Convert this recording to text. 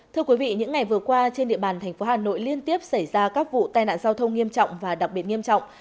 thưa quý vị những ngày vừa qua trên địa bàn thành phố hà nội liên tiếp xảy ra các vụ tai nạn giao thông nghiêm trọng và đặc biệt nghiêm trọng